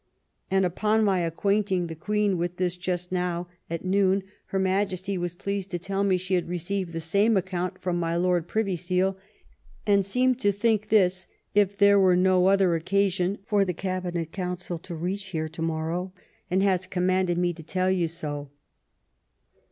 And upon my acquainting the Queen with this just now at noon, her Majesty was pleased to tell me she had received the same account from my Lord Privy Seal, and seemed to think this, if there were no other, occasion for the cabinet council to reach here to morrow, and has commanded me to tell you so."